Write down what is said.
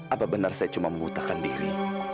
apa benar saya cuma mengutakan diri